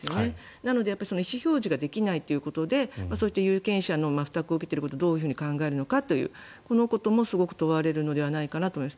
なので、意思表示ができないということでそういった有権者の負託を受けていることをどういうふうに考えるのかというこのこともすごく問われると思います。